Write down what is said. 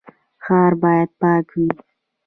ښار باید پاک وي